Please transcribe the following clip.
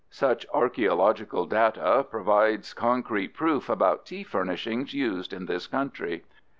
7). Such archeological data provides concrete proof about tea furnishings used in this country.